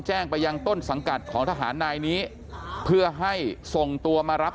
แจ้งไปยังต้นสังกัดของทหารนายนี้เพื่อให้ส่งตัวมารับ